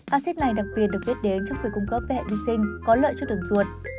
acid này đặc biệt được viết đến trong quyền cung cấp về hệ vi sinh có lợi cho đường ruột